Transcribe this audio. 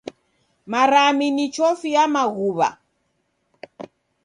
Marami ni chofi ya maghuw'a.